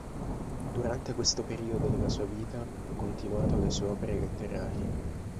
Durante questo periodo della sua vita, ha continuato le sue opere letterarie.